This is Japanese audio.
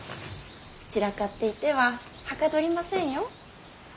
散らかっていてははかどりませんよ。